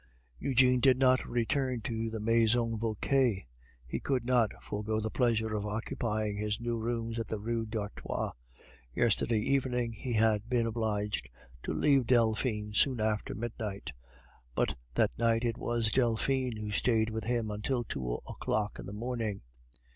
Eugene did not return to the Maison Vauquer. He could not forego the pleasure of occupying his new rooms in the Rue d'Artois. Yesterday evening he had been obliged to leave Delphine soon after midnight, but that night it was Delphine who stayed with him until two o'clock in the morning.